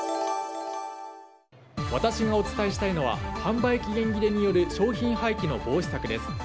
私がお伝えしたいのは販売期限切れによる商品廃棄の防止策です。